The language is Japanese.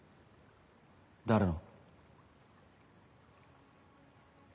誰の？